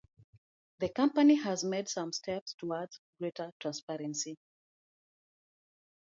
The company has made some steps towards greater transparency.